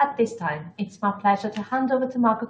At this time, it's my pleasure to hand over to Marco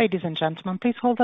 Knuchel,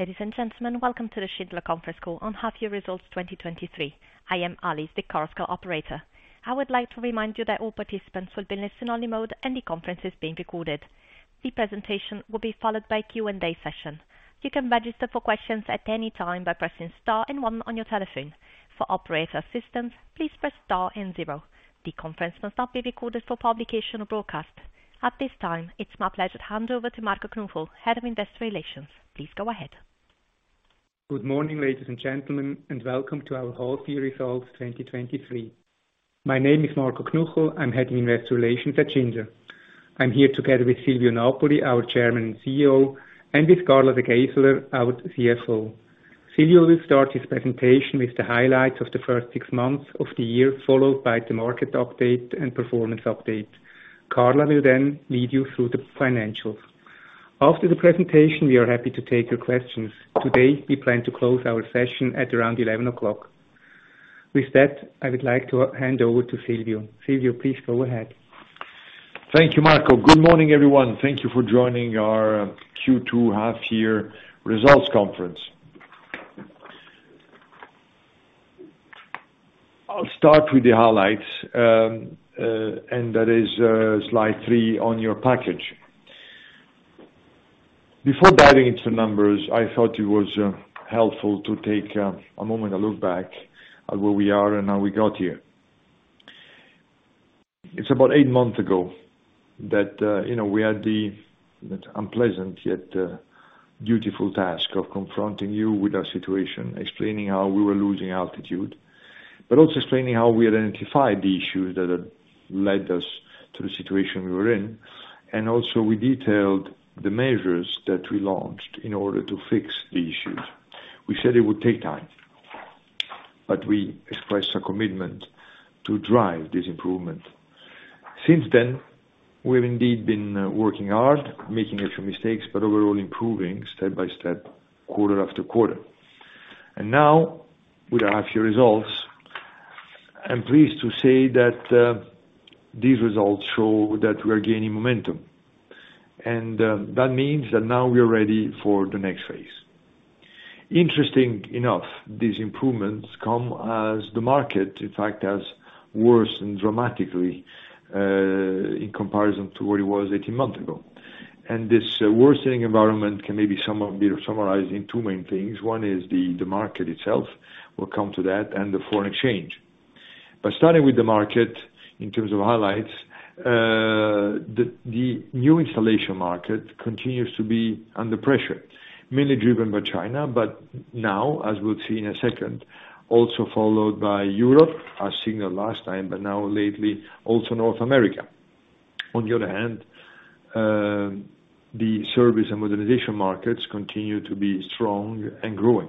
Head of Investor Relations. Please go ahead. Good morning, ladies and gentlemen, welcome to our Half Year Results 2023. My name is Marco Knuchel, I'm Head of Investor Relations at Schindler. I'm here together with Silvio Napoli, our Chairman and CEO, and with Carla De Geyseleer, our CFO. Silvio will start his presentation with the highlights of the first six months of the year, followed by the market update and performance update. Carla will lead you through the financials. After the presentation, we are happy to take your questions. Today, we plan to close our session at around 11:00. With that, I would like to hand over to Silvio. Silvio, please go ahead. Thank you, Marco. Good morning, everyone. Thank you for joining our Q2 Half Year Results Conference. I'll start with the highlights. That is slide 3 on your package. Before diving into the numbers, I thought it was helpful to take a moment to look back at where we are and how we got here. It's about 8 months ago that, you know, we had the unpleasant, yet beautiful task of confronting you with our situation, explaining how we were losing altitude, but also explaining how we identified the issues that had led us to the situation we were in. Also, we detailed the measures that we launched in order to fix the issues. We said it would take time, but we expressed a commitment to drive this improvement. Since then, we have indeed been working hard, making a few mistakes, but overall improving step by step, quarter after quarter. Now, with our actual results, I'm pleased to say that these results show that we are gaining momentum, and that means that now we are ready for the next phase. Interesting enough, these improvements come as the market, in fact, has worsened dramatically in comparison to where it was 18 months ago. This worsening environment can maybe be summarized in 2 main things. 1 is the market itself, we'll come to that, and the foreign exchange. Starting with the market in terms of highlights, the new installation market continues to be under pressure, mainly driven by China, but now, as we'll see in a second, also followed by Europe, as seen the last time, but now lately, also North America. On the other hand, the service and modernization markets continue to be strong and growing.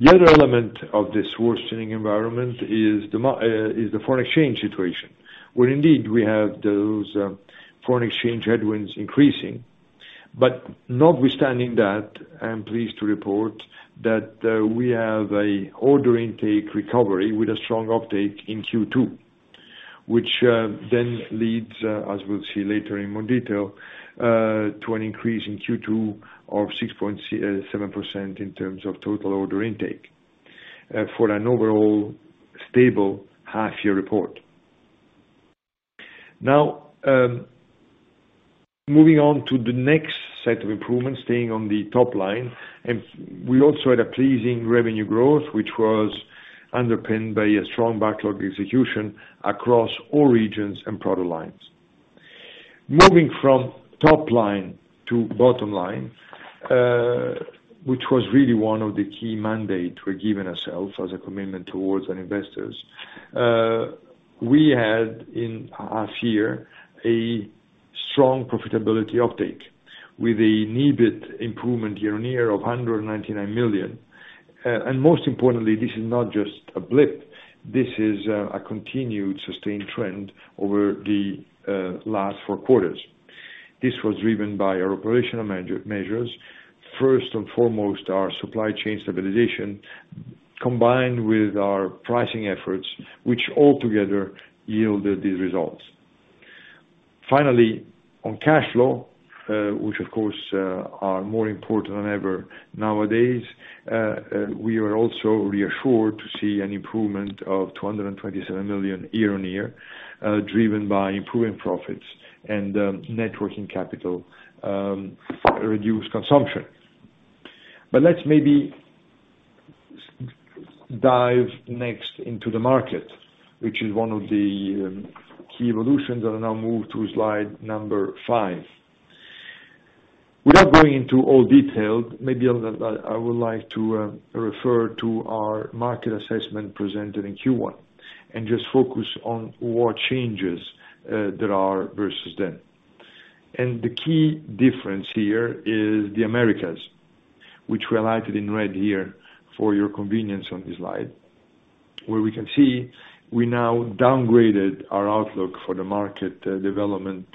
The other element of this worsening environment is the foreign exchange situation, where indeed we have those foreign exchange headwinds increasing. Notwithstanding that, I'm pleased to report that we have a order intake recovery with a strong uptake in Q2, which then leads, as we'll see later in more detail, to an increase in Q2 of 6.7% in terms of total order intake, for an overall stable half year report. Moving on to the next set of improvements, staying on the top line, and we also had a pleasing revenue growth, which was underpinned by a strong backlog execution across all regions and product lines. Moving from top line to bottom line, which was really one of the key mandate we're giving ourselves as a commitment towards our investors. We had, in half year, a strong profitability uptake with a needed improvement year-on-year of 199 million. Most importantly, this is not just a blip, this is a continued sustained trend over the last 4 quarters. This was driven by our operational management measures, first and foremost, our supply chain stabilization, combined with our pricing efforts, which altogether yielded these results. Finally, on cash flow, which of course, are more important than ever nowadays, we are also reassured to see an improvement of 227 million year-on-year, driven by improving profits and net working capital reduced consumption. Let's maybe dive next into the market, which is one of the key evolutions, and I now move to slide 5. Without going into all detail, maybe I'll, I would like to refer to our market assessment presented in Q1, and just focus on what changes there are versus then. The key difference here is the Americas, which we highlighted in red here for your convenience on this slide. Where we can see we now downgraded our outlook for the market development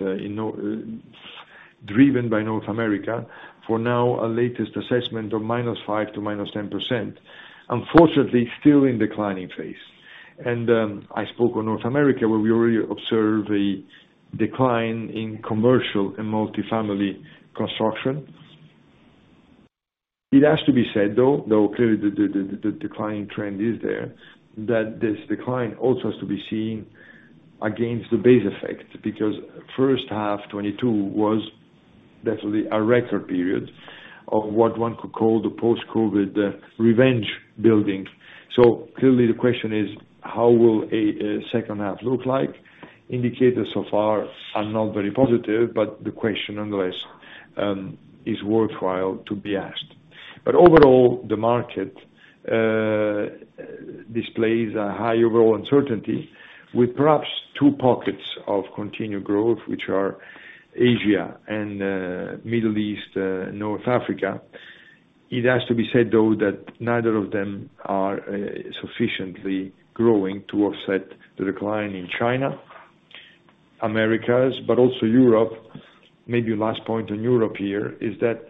driven by North America, for now, our latest assessment of -5% to -10%. Unfortunately, still in declining phase. I spoke on North America, where we already observed a decline in commercial and multifamily construction. It has to be said, though clearly the declining trend is there, that this decline also has to be seen against the base effect, because first half 2022 was definitely a record period of what one could call the post-COVID revenge building. Clearly the question is: How will a second half look like? Indicators so far are not very positive, the question, nonetheless, is worthwhile to be asked. Overall, the market displays a high overall uncertainty with perhaps two pockets of continued growth, which are Asia and Middle East, North Africa. It has to be said, though, that neither of them are sufficiently growing to offset the decline in China, Americas, but also Europe. Maybe last point on Europe here, is that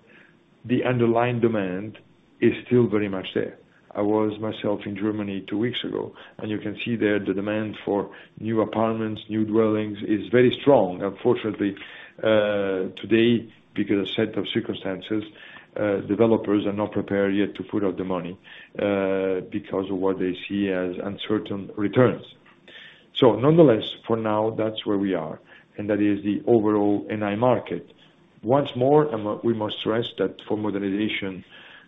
the underlying demand is still very much there. I was myself in Germany two weeks ago, and you can see there, the demand for new apartments, new dwellings, is very strong. Unfortunately, today, because a set of circumstances, developers are not prepared yet to put out the money, because of what they see as uncertain returns. Nonetheless, for now, that's where we are, and that is the overall NI market. Once more, we must stress that for modernization,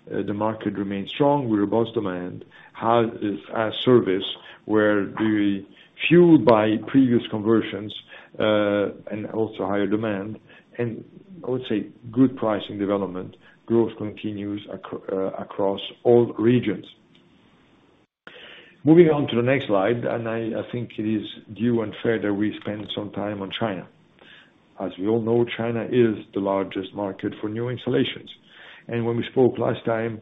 the market remains strong with robust demand. How is our service, where we fueled by previous conversions, and also higher demand, and I would say good pricing development, growth continues across all regions. Moving on to the next slide, I think it is due and fair that we spend some time on China. As we all know, China is the largest market for new installations, when we spoke last time,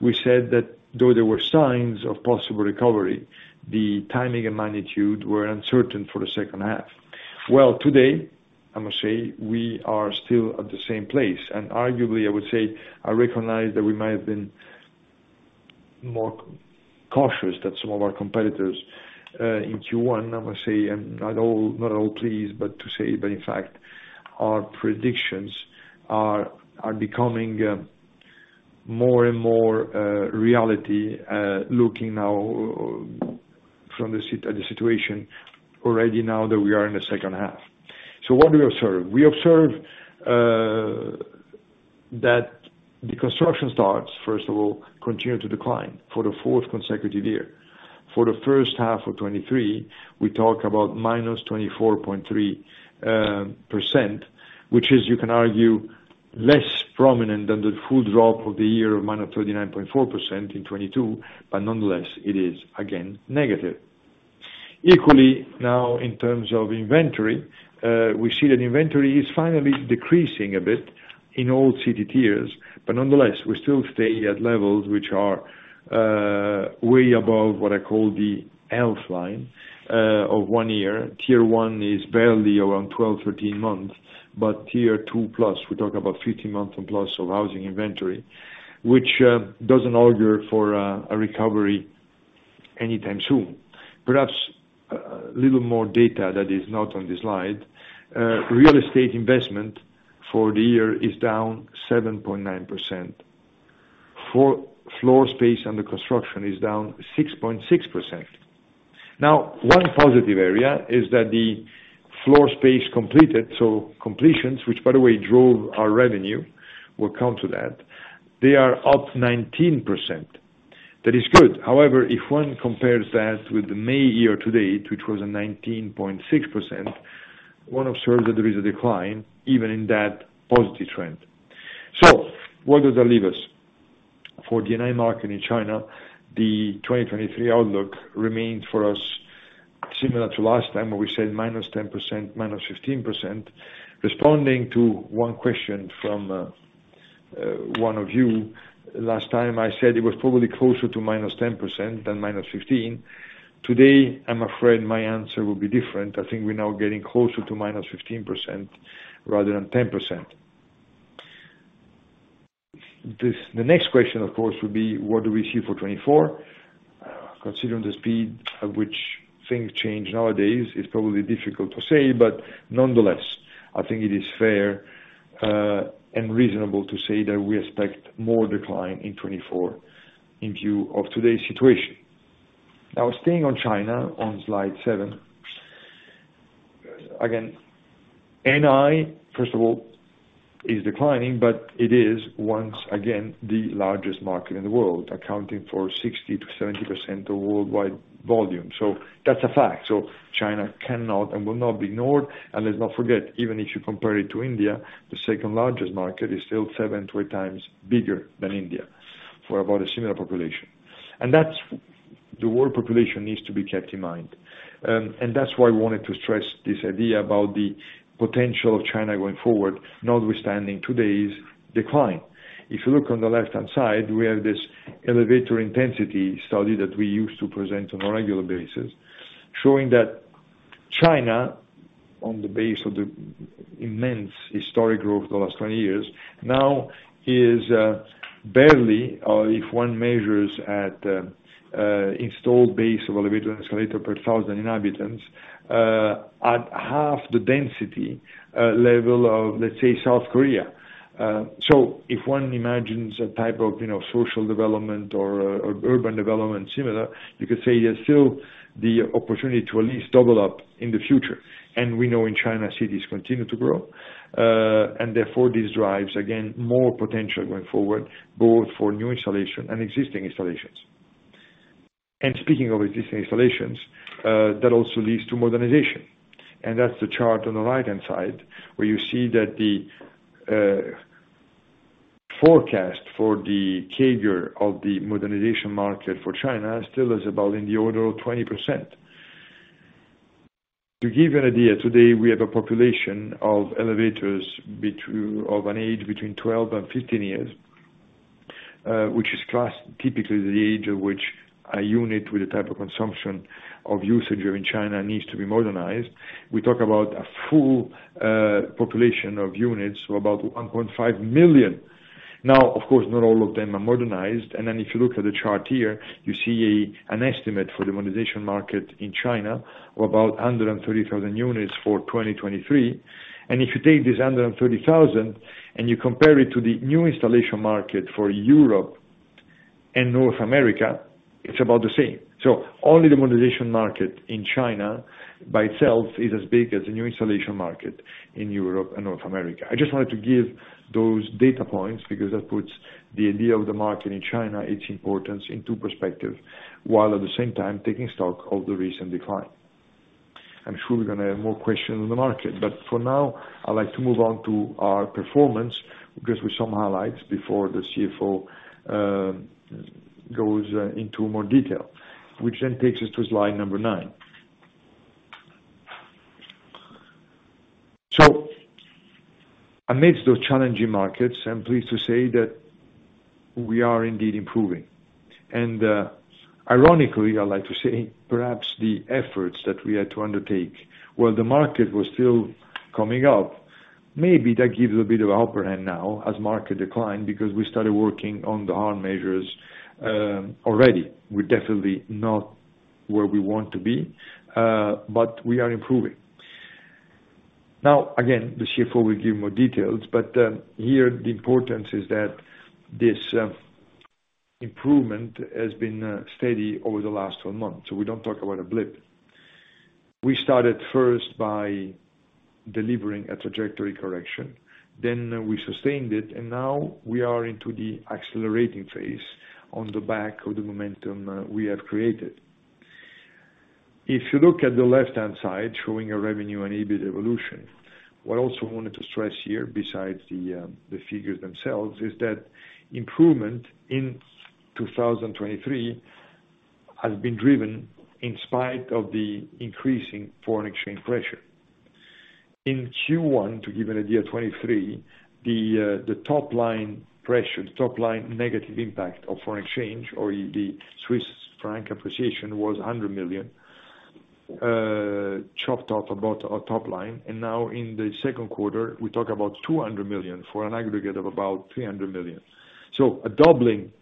we said that though there were signs of possible recovery, the timing and magnitude were uncertain for the second half. Today, I must say we are still at the same place, and arguably, I would say I recognize that we might have been more cautious than some of our competitors. In Q1, I must say, I'm not all pleased, but to say, but in fact, our predictions are becoming more and more reality, looking now from the situation already now that we are in the second half. What do we observe? We observe that the construction starts, first of all, continue to decline for the fourth consecutive year. For the first half of 2023, we talk about -24.3%, which is, you can argue less prominent than the full drop of the year of -39.4% in 2022, but nonetheless, it is again negative. Equally, now, in terms of inventory, we see that inventory is finally decreasing a bit in all city tiers, nonetheless, we still stay at levels which are way above what I call the health line of 1 year. Tier one is barely around 12, 13 months, but tier two plus, we talk about 15 months and plus of housing inventory, which doesn't order for a recovery anytime soon. Perhaps, a little more data that is not on this slide. Real estate investment for the year is down 7.9%. For floor space under construction is down 6.6%. One positive area is that the floor space completed, so completions, which by the way, drove our revenue, we'll come to that, they are up 19%. That is good. However, if one compares that with the May year to date, which was a 19.6%, one observes that there is a decline even in that positive trend. What does that leave us? For D&I market in China, the 2023 outlook remains for us, similar to last time, where we said -10%, -15%. Responding to one question from one of you, last time I said it was probably closer to -10% than -15. I'm afraid my answer will be different. I think we're now getting closer to -15% rather than 10%. The next question, of course, would be: what do we see for 2024? Considering the speed at which things change nowadays, it's probably difficult to say, but nonetheless, I think it is fair and reasonable to say that we expect more decline in 2024 in view of today's situation. Staying on China, on slide 7. Again, NI, first of all, is declining, but it is, once again, the largest market in the world, accounting for 60%-70% of worldwide volume. That's a fact. China cannot and will not be ignored. Let's not forget, even if you compare it to India, the second largest market is still 7-8 times bigger than India, for about a similar population. The world population needs to be kept in mind. That's why I wanted to stress this idea about the potential of China going forward, notwithstanding today's decline. If you look on the left-hand side, we have this elevator intensity study that we use to present on a regular basis, showing that China, on the base of the immense historic growth of the last 20 years, now is barely if one measures at the installed base of elevator and escalator per 1,000 inhabitants, at half the density level of, let's say, South Korea. So if one imagines a type of, you know, social development or urban development, similar, you could say there's still the opportunity to at least double up in the future. We know in China, cities continue to grow, and therefore, this drives, again, more potential going forward, both for new installation and existing installations. Speaking of existing installations, that also leads to modernization, and that's the chart on the right-hand side, where you see that the forecast for the CAGR of the modernization market for China still is about in the order of 20%. To give you an idea, today we have a population of elevators of an age between 12 and 15 years, which is classed typically the age at which a unit with a type of consumption of usage here in China needs to be modernized. We talk about a full population of units, so about 1.5 million. Of course, not all of them are modernized, and then if you look at the chart here, you see an estimate for the modernization market in China of about under 30,000 units for 2023. If you take this under 30,000, and you compare it to the new installation market for Europe and North America, it's about the same. Only the modernization market in China by itself is as big as the new installation market in Europe and North America. I just wanted to give those data points because that puts the idea of the market in China, its importance into perspective, while at the same time taking stock of the recent decline. I'm sure we're gonna have more questions on the market, for now, I'd like to move on to our performance, with some highlights before the CFO goes into more detail, which then takes us to slide number 9. Amidst those challenging markets, I'm pleased to say that we are indeed improving. Ironically, I like to say, perhaps the efforts that we had to undertake while the market was still coming up, maybe that gives a bit of upper hand now as market declined, because we started working on the hard measures already. We're definitely not where we want to be, but we are improving. Again, the CFO will give more details, but here the importance is that this improvement has been steady over the last 12 months, so we don't talk about a blip. We started first by delivering a trajectory correction, then we sustained it, and now we are into the accelerating phase on the back of the momentum we have created. If you look at the left-hand side, showing a revenue and EBIT evolution, what I also wanted to stress here, besides the figures themselves, is that improvement in 2023 has been driven in spite of the increasing foreign exchange pressure. In Q1, to give an idea, 23, the top line pressure, the top line negative impact of foreign exchange or the Swiss franc appreciation was 100 million chopped off about our top line. Now in the second quarter, we talk about 200 million for an aggregate of about 300 million. A doubling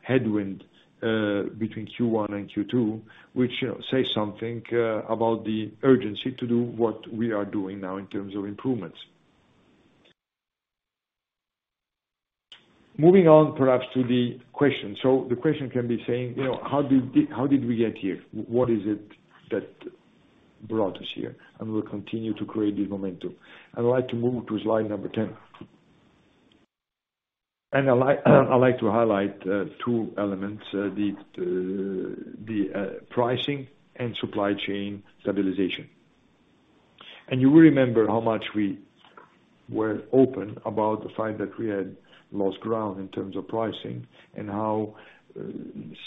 headwind between Q1 and Q2, which, you know, say something about the urgency to do what we are doing now in terms of improvements. Moving on, perhaps, to the question. The question can be saying, you know, how did we get here? What is it that brought us here? We'll continue to create the momentum. I'd like to move to slide number 10. I'd like to highlight two elements: the pricing and supply chain stabilization. You remember how much we were open about the fact that we had lost ground in terms of pricing, and how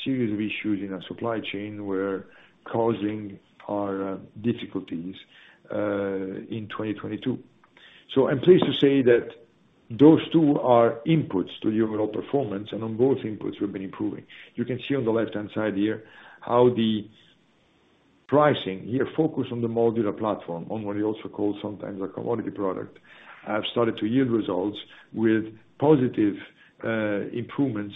serious issues in our supply chain were causing our difficulties in 2022. I'm pleased to say that those two are inputs to the overall performance, and on both inputs we've been improving. You can see on the left-hand side here, how the pricing, here focused on the modular platform, on what we also call sometimes a commodity product, have started to yield results with positive improvements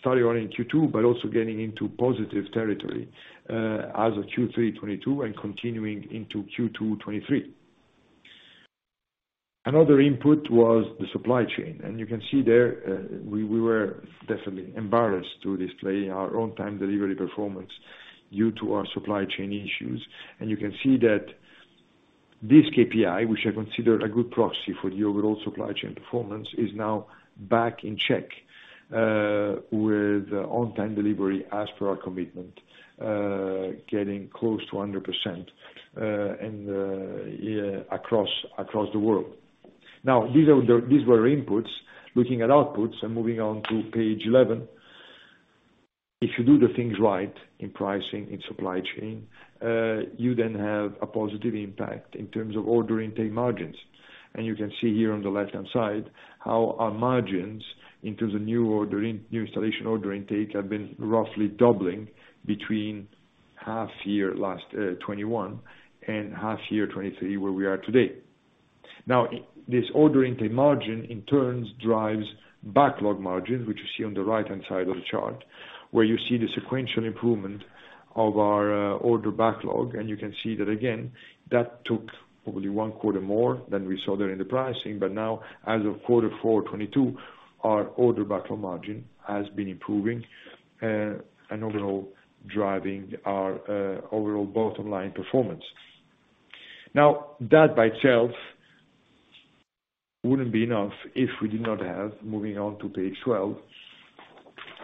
starting already in Q2, but also getting into positive territory as of Q3 2022 and continuing into Q2 2023. Another input was the supply chain, and you can see there, we were definitely embarrassed to display our on-time delivery performance due to our supply chain issues. You can see that this KPI, which I consider a good proxy for the overall supply chain performance, is now back in check with on-time delivery as per our commitment, getting close to 100%, and yeah, across the world. Now, these were inputs. Looking at outputs and moving on to page 11. If you do the things right in pricing, in supply chain, you have a positive impact in terms of order intake margins. You can see here on the left-hand side, how our margins into the new installation order intake, have been roughly doubling between half year 2021 and half year 2023, where we are today. This order intake margin in turns drives backlog margins, which you see on the right-hand side of the chart. Where you see the sequential improvement of our order backlog, you can see that again, that took probably one quarter more than we saw there in the pricing. Now, as of Q4 2022, our order backlog margin has been improving, overall driving our overall bottom line performance. That by itself wouldn't be enough if we did not have, moving on to page 12,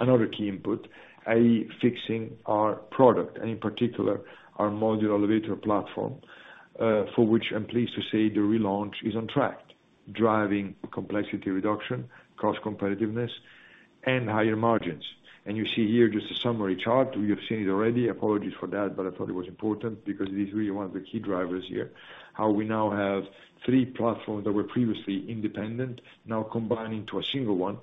another key input, i.e., fixing our product, and in particular, our modular elevator platform, for which I'm pleased to say the relaunch is on track, driving complexity reduction, cost competitiveness, and higher margins. You see here just a summary chart. You've seen it already. Apologies for that, but I thought it was important because it is really one of the key drivers here, how we now have 3 platforms that were previously independent, now combined into a single one,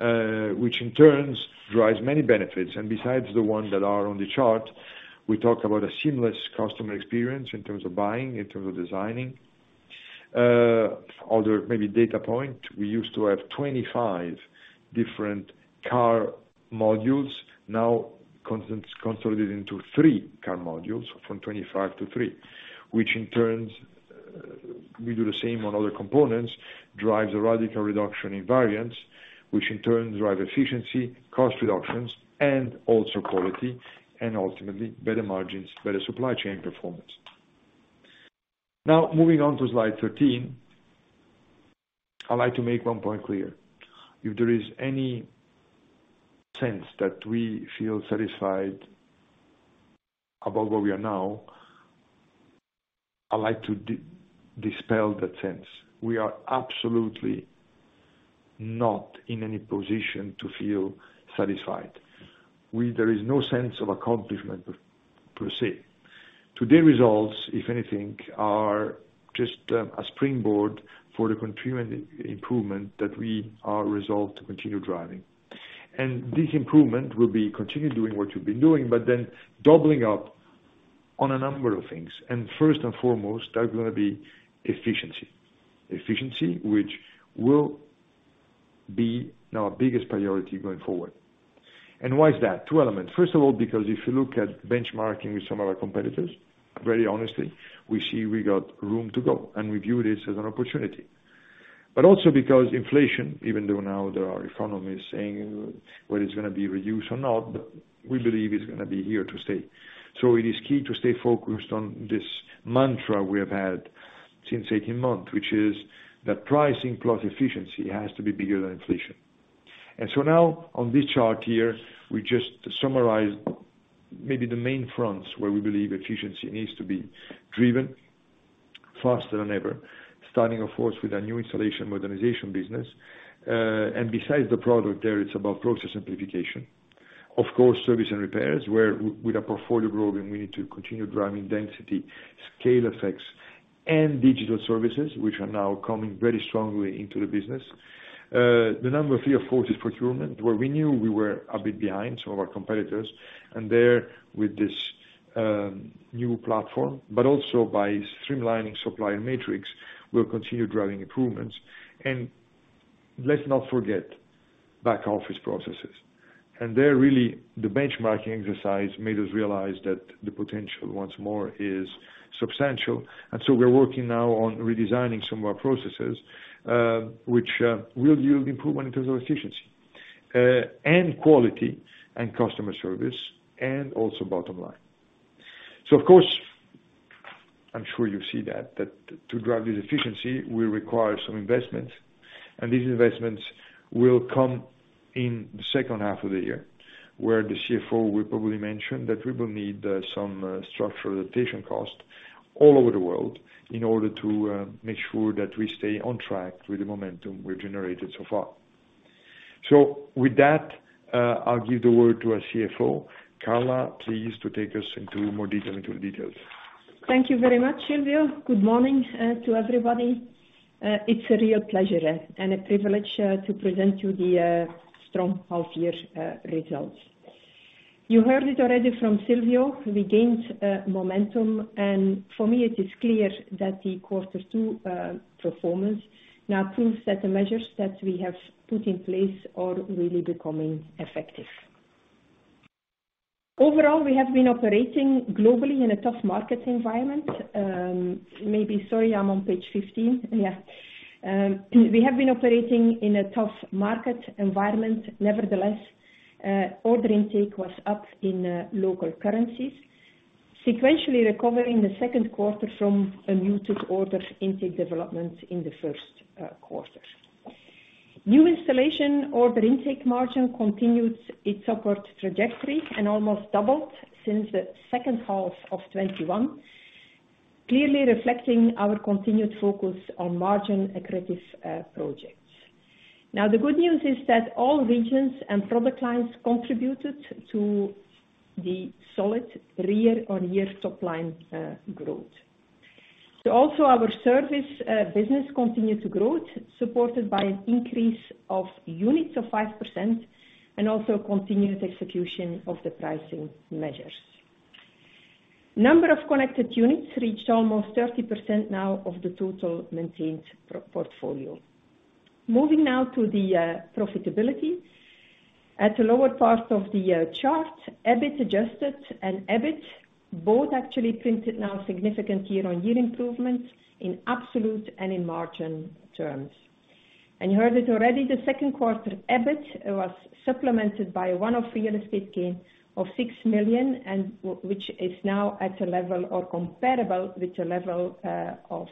which in turn drives many benefits. Besides the ones that are on the chart, we talk about a seamless customer experience in terms of buying, in terms of designing. Other maybe data point, we used to have 25 different car modules, now consolidated into 3 car modules, from 25 to 3. Which in turn, we do the same on other components, drives a radical reduction in variance, which in turn drive efficiency, cost reductions, and also quality, and ultimately, better margins, better supply chain performance. Moving on to slide 13, I'd like to make one point clear. If there is any sense that we feel satisfied about where we are now, I'd like to dispel that sense. We are absolutely not in any position to feel satisfied. There is no sense of accomplishment per se. Today's results, if anything, are just a springboard for the continuing improvement that we are resolved to continue driving. This improvement will be continuing doing what we've been doing, but then doubling up on a number of things. First and foremost, that's gonna be efficiency. Efficiency, which will be our biggest priority going forward. Why is that? Two elements. First of all, because if you look at benchmarking with some of our competitors, very honestly, we see we got room to go, and we view this as an opportunity. Also because inflation, even though now there are economists saying whether it's gonna be reduced or not, but we believe it's gonna be here to stay. It is key to stay focused on this mantra we have had since 18 months, which is that pricing plus efficiency has to be bigger than inflation. Now on this chart here, we just summarized maybe the main fronts where we believe efficiency needs to be driven faster than ever. Starting, of course, with our new installation modernization business. And besides the product there, it's about process simplification. Of course, service and repairs, where with our portfolio growing, we need to continue driving density, scale effects, and digital services, which are now coming very strongly into the business. The number three, of course, is procurement, where we knew we were a bit behind some of our competitors, and there with this new platform, but also by streamlining supply and matrix, we'll continue driving improvements. Let's not forget, back office processes. There, really, the benchmarking exercise made us realize that the potential once more is substantial. We're working now on redesigning some of our processes, which will yield improvement in terms of efficiency, and quality, and customer service, and also bottom line. Of course, I'm sure you see that to drive this efficiency will require some investments. These investments will come in the second half of the year, where the CFO will probably mention that we will need some structural rotation costs all over the world in order to make sure that we stay on track with the momentum we've generated so far. With that, I'll give the word to our CFO. Carla, please, to take us into more detail into the details. Thank you very much, Silvio. Good morning to everybody. It's a real pleasure and a privilege to present you the strong half year results. You heard it already from Silvio, we gained momentum, and for me, it is clear that the quarter two performance now proves that the measures that we have put in place are really becoming effective. Overall, we have been operating globally in a tough market environment. Maybe, sorry, I'm on page 15. We have been operating in a tough market environment. Nevertheless, order intake was up in local currencies, sequentially recovering the second quarter from a muted order intake development in the first quarter. New installation order intake margin continued its upward trajectory and almost doubled since the second half of 2021, clearly reflecting our continued focus on margin accretive projects. Now, the good news is that all regions and product lines contributed to the solid year-on-year top line growth. Also our service business continued to grow, supported by an increase of units of 5% and also continued execution of the pricing measures. Number of connected units reached almost 30% now of the total maintained portfolio. Now to the profitability. At the lower part of the chart, EBIT adjusted and EBIT both actually printed now significant year-on-year improvements in absolute and in margin terms. You heard it already, the second quarter, EBIT was supplemented by one-off real estate gain of 6 million, which is now at a level or comparable with the level of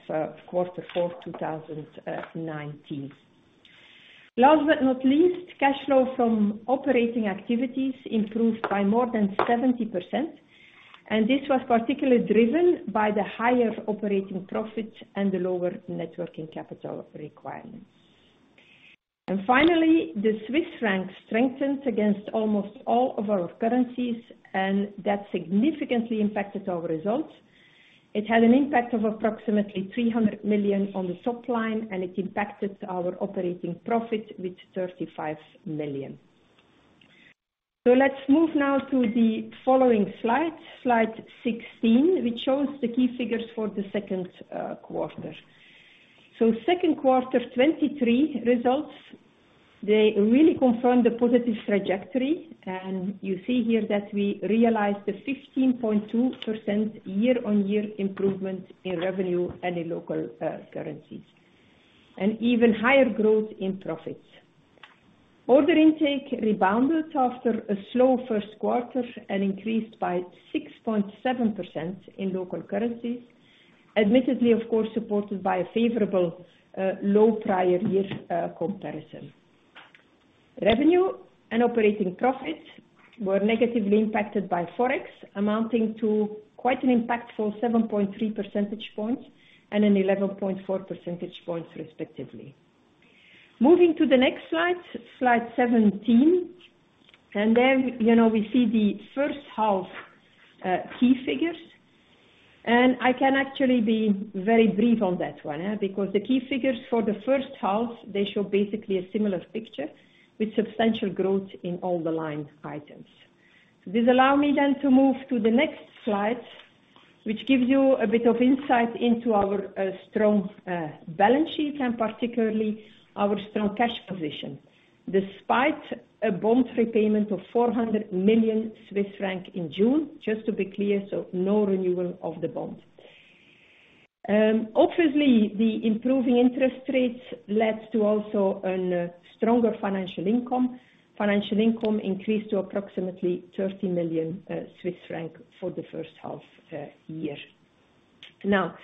quarter four 2019. Last but not least, cash flow from operating activities improved by more than 70%, and this was particularly driven by the higher operating profit and the lower net working capital requirements. Finally, the Swiss franc strengthened against almost all of our currencies, and that significantly impacted our results. It had an impact of approximately 300 million on the top line, and it impacted our operating profit with 35 million. Let's move now to the following slide 16, which shows the key figures for the second quarter. Second quarter 23 results, they really confirmed the positive trajectory, and you see here that we realized a 15.2% year-on-year improvement in revenue and in local currencies, and even higher growth in profits. Order intake rebounded after a slow first quarter and increased by 6.7% in local currency, admittedly, of course, supported by a favorable, low prior year comparison. Revenue and operating profits were negatively impacted by Forex, amounting to quite an impactful 7.3 percentage points and an 11.4 percentage points, respectively. Moving to the next slide 17, you know, we see the first half key figures. I can actually be very brief on that one, because the key figures for the first half, they show basically a similar picture with substantial growth in all the line items. This allow me to move to the next slide, which gives you a bit of insight into our strong balance sheet, and particularly our strong cash position, despite a bond repayment of 400 million Swiss francs in June. Just to be clear, no renewal of the bond. Obviously, the improving interest rates led to also a stronger financial income. Financial income increased to approximately 30 million Swiss francs for the first half year. Now,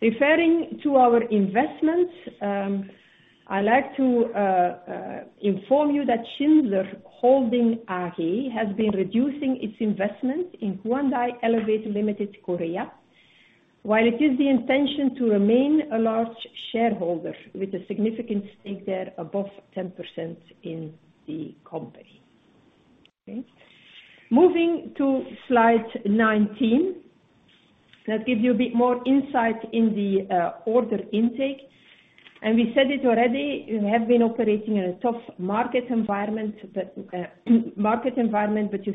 referring to our investments, I'd like to inform you that Schindler Holding AG has been reducing its investment in Hyundai Elevator Limited, Korea, while it is the intention to remain a large shareholder with a significant stake there above 10% in the company. Okay? Moving to Slide 19, that gives you a bit more insight in the order intake. We said it already, we have been operating in a tough market environment, but you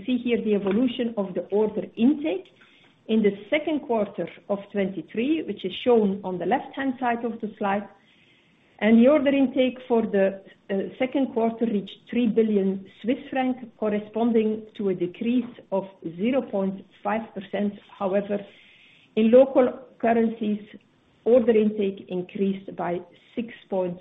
see here the evolution of the order intake in the second quarter of 2023, which is shown on the left-hand side of the slide. The order intake for the second quarter reached 3 billion Swiss francs, corresponding to a decrease of 0.5%. However, in local currencies, order intake increased by 6.7%.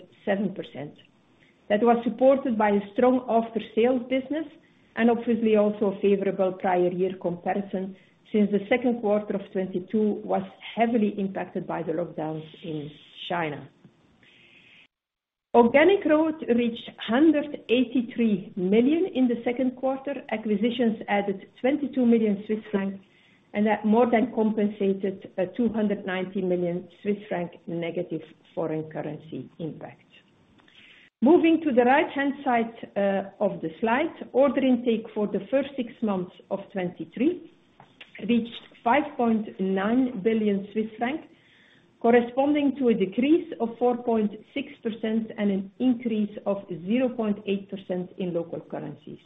That was supported by a strong after-sales business and obviously also a favorable prior year comparison, since the second quarter of 2022 was heavily impacted by the lockdowns in China. Organic growth reached 183 million in the second quarter. Acquisitions added 22 million Swiss francs, and that more than compensated a 290 million Swiss franc negative foreign currency impact. Moving to the right-hand side of the slide, order intake for the first six months of 2023 reached 5.9 billion Swiss francs, corresponding to a decrease of 4.6% and an increase of 0.8% in local currencies.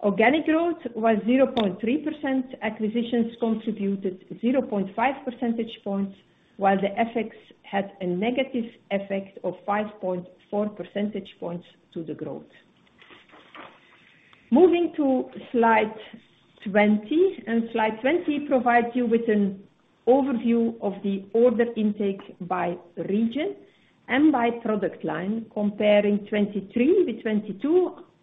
Organic growth was 0.3%. Acquisitions contributed 0.5 percentage points, while the FX had a negative effect of 5.4 percentage points to the growth. Moving to slide 20, slide 20 provides you with an overview of the order intake by region and by product line, comparing 2023 with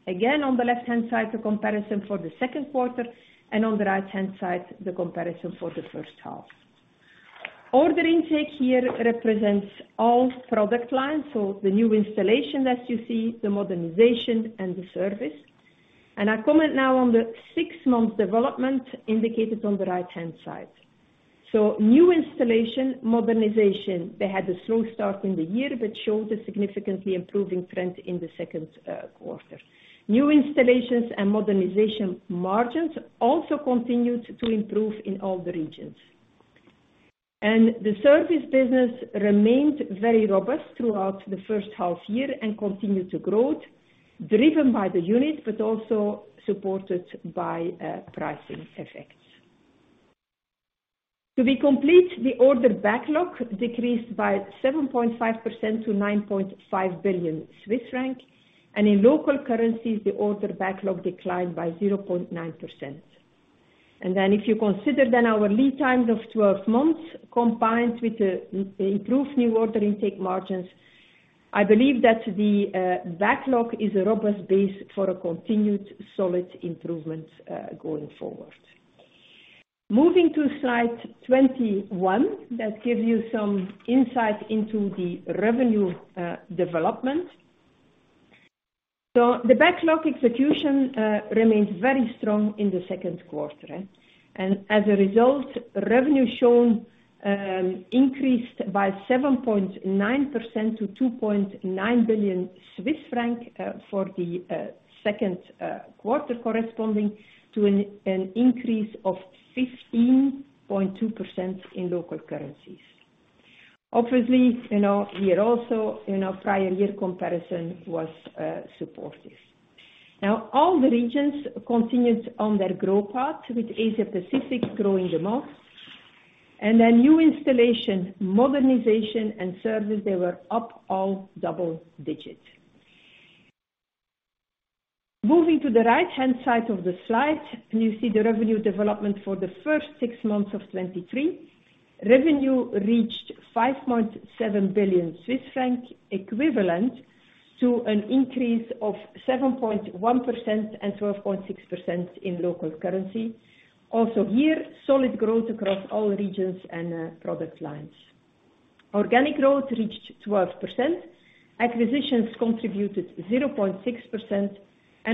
2022. On the left-hand side, the comparison for the second quarter, and on the right-hand side, the comparison for the first half. Order intake here represents all product lines, so the new installation that you see, the modernization and the service. I comment now on the six month development indicated on the right-hand side. New installation, modernization, they had a slow start in the year, but showed a significantly improving trend in the second quarter. New installations and modernization margins also continued to improve in all the regions. The service business remained very robust throughout the first half year and continued to grow, driven by the unit, but also supported by pricing effects. To be complete, the order backlog decreased by 7.5% to 9.5 billion Swiss franc, and in local currencies, the order backlog declined by 0.9%. If you consider our lead times of 12 months, combined with improved new order intake margins, I believe that the backlog is a robust base for a continued solid improvement going forward. Moving to slide 21, that gives you some insight into the revenue development. The backlog execution remains very strong in the second quarter, and as a result, revenue shown increased by 7.9% to 2.9 billion Swiss franc for the second quarter, corresponding to an increase of 15.2% in local currencies. Obviously, you know, year also, prior year comparison was supportive. All the regions continued on their growth path, with Asia Pacific growing the most, and then new installation, modernization and service, they were up all double digits. Moving to the right-hand side of the slide, you see the revenue development for the first six months of 2023. Revenue reached 5.7 billion Swiss franc, equivalent to an increase of 7.1% and 12.6% in local currency. Here, solid growth across all regions and product lines. Organic growth reached 12%. Acquisitions contributed 0.6%.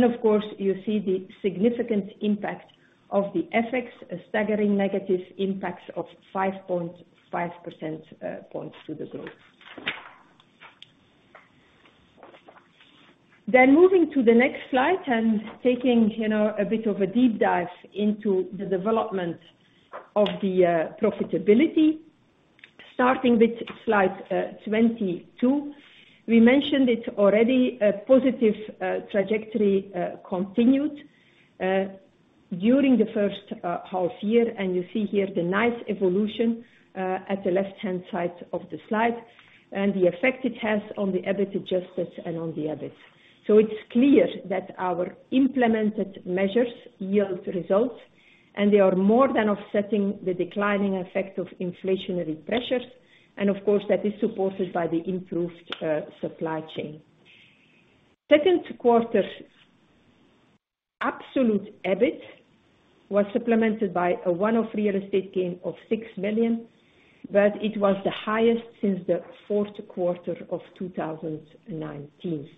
Of course, you see the significant impact of the FX, a staggering negative impact of 5.5% points to the growth. Moving to the next slide and taking, you know, a bit of a deep dive into the development of the profitability. Starting with slide 22. We mentioned it already, a positive trajectory continued during the first half year. You see here the nice evolution at the left-hand side of the slide and the effect it has on the EBIT adjusted and on the EBIT. It's clear that our implemented measures yield results, and they are more than offsetting the declining effect of inflationary pressures, and of course, that is supported by the improved supply chain. Absolute EBIT was supplemented by a one-off real estate gain of 6 million, but it was the highest since the fourth quarter of 2019.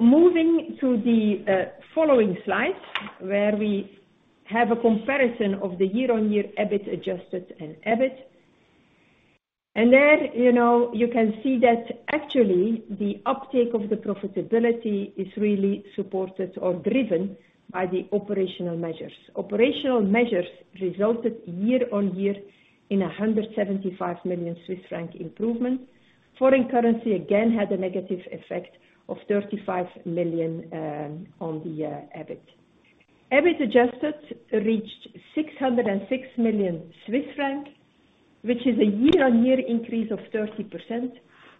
Moving to the following slide, where we have a comparison of the year-on-year EBIT adjusted and EBIT. There, you know, you can see that actually the uptake of the profitability is really supported or driven by the operational measures. Operational measures resulted year-on-year in a 175 million Swiss franc improvement. Foreign currency again, had a negative effect of 35 million on the EBIT. EBIT adjusted reached 606 million Swiss franc, which is a year-on-year increase of 30%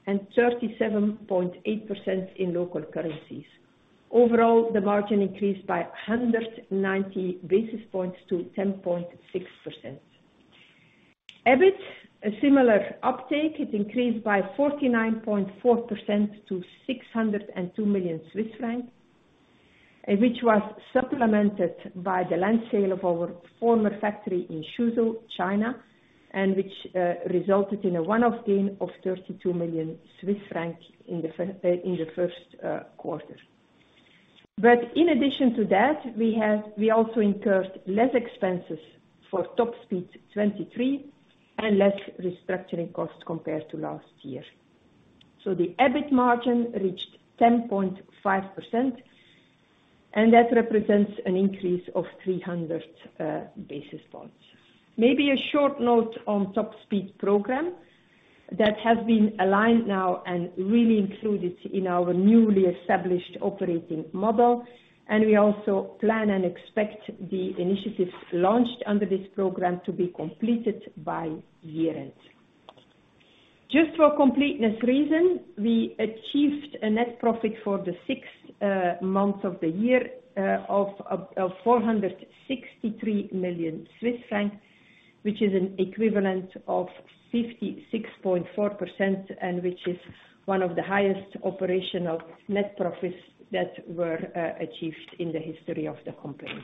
and 37.8% in local currencies. Overall, the margin increased by 190 basis points to 10.6%. EBIT, a similar uptake, increased by 49.4% to 602 million Swiss francs, which was supplemented by the land sale of our former factory in Suzhou, China, and which resulted in a one-off gain of 32 million Swiss francs in the first quarter. In addition to that, we also incurred less expenses for Top Speed 23, and less restructuring costs compared to last year. The EBIT margin reached 10.5%, and that represents an increase of 300 basis points. Maybe a short note on Top Speed program that has been aligned now and really included in our newly established operating model. We also plan and expect the initiatives launched under this program to be completed by year-end. Just for completeness reason, we achieved a net profit for the sixth month of the year of 463 million Swiss francs, which is an equivalent of 56.4%. Which is one of the highest operational net profits that were achieved in the history of the company.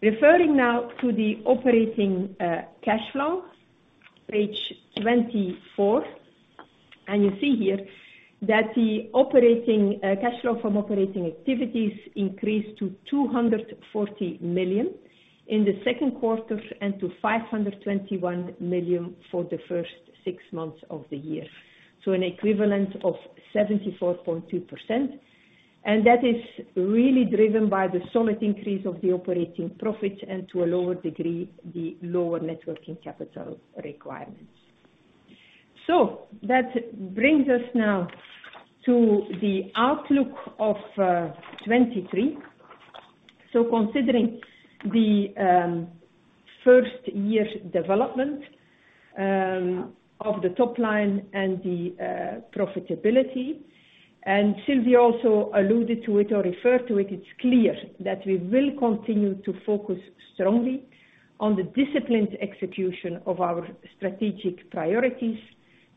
Referring now to the operating cash flow, page 24. You see here that the operating cash flow from operating activities increased to 240 million in the second quarter and to 521 million for the first six months of the year. An equivalent of 74.2%. That is really driven by the solid increase of the operating profit and to a lower degree, the lower net working capital requirements. That brings us now to the outlook of 2023. Considering the first year development of the top line and the profitability, and Silvio also alluded to it or referred to it's clear that we will continue to focus strongly on the disciplined execution of our strategic priorities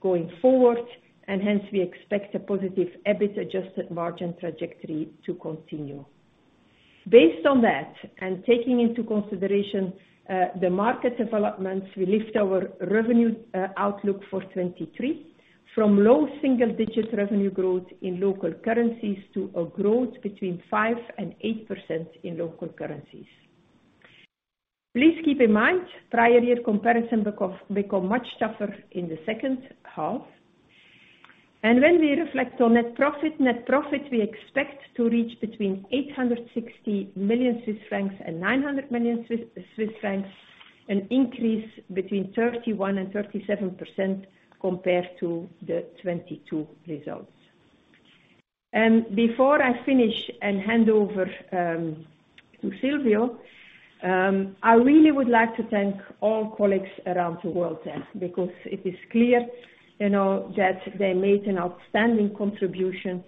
going forward. Hence, we expect a positive EBIT adjusted margin trajectory to continue. Based on that, and taking into consideration the market developments, we lift our revenue outlook for 2023 from low single digit revenue growth in local currencies to a growth between 5% and 8% in local currencies. Please keep in mind, prior year comparison become much tougher in the second half. When we reflect on net profit, we expect to reach between 860 million Swiss francs and 900 million Swiss francs, an increase between 31% and 37% compared to the 2022 results. Before I finish and hand over to Silvio, I really would like to thank all colleagues around the world there, because it is clear, you know, that they made an outstanding contribution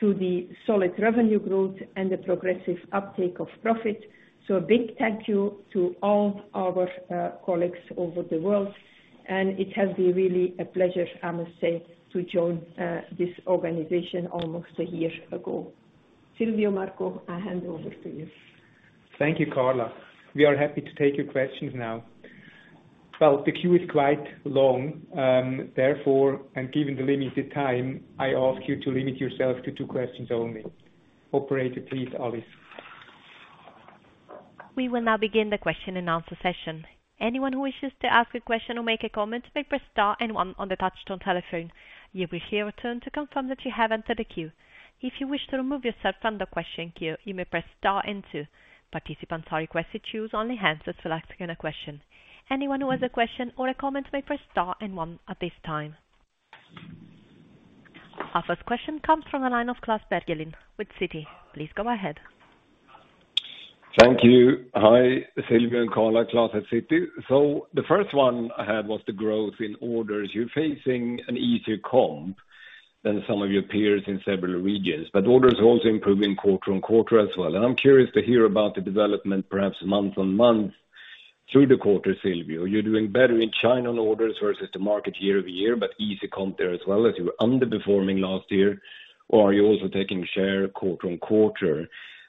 to the solid revenue growth and the progressive uptake of profit. A big thank you to all our colleagues over the world, and it has been really a pleasure, I must say, to join this organization almost a year ago. Silvio Marco, I hand over to you. Thank you, Carla. We are happy to take your questions now. Well, the queue is quite long, therefore, and given the limited time, I ask you to limit yourself to two questions only. Operator, please, Alice. We will now begin the question and answer session. Anyone who wishes to ask a question or make a comment, may press star and 1 on the touch-tone telephone. You will hear a tone to confirm that you have entered the queue. If you wish to remove yourself from the question queue, you may press star and 2. Participants are requested to use only hands that are asking a question. Anyone who has a question or a comment may press star and 1 at this time. Our first question comes from the line of Klas Bergelind with Citi. Please go ahead. Thank you. Hi, Silvio and Carla, Klas at Citi. The first one I had was the growth in orders. You're facing an easier comp than some of your peers in several regions, but orders are also improving quarter-on-quarter as well. I'm curious to hear about the development, perhaps month-on-month through the quarter, Silvio, you're doing better in China on orders versus the market year-over-year, but easy comp there as well as you were underperforming last year, or are you also taking share quarter-on-quarter?